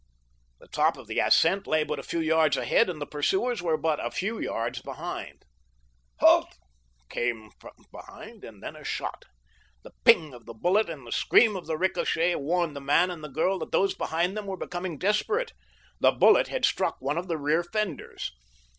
The top of the ascent lay but a few yards ahead, and the pursuers were but a few yards behind. "Halt!" came from behind, and then a shot. The ping of the bullet and the scream of the ricochet warned the man and the girl that those behind them were becoming desperate—the bullet had struck one of the rear fenders.